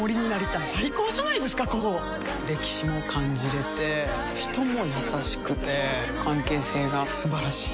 歴史も感じれて人も優しくて関係性が素晴らしい。